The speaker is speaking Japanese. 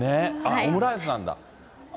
オムライスなんだ。